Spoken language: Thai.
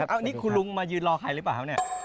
นี่คุณลุงมายืนรอใครหรือเปล่า